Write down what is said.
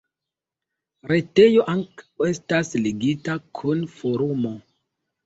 Retejo ankaŭ estas ligita kun Forumo.